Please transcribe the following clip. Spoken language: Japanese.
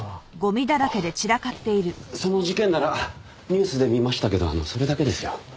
その事件ならニュースで見ましたけどそれだけですよ。